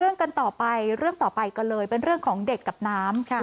กันต่อไปเรื่องต่อไปก็เลยเป็นเรื่องของเด็กกับน้ำ